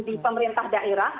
di pemerintah daerah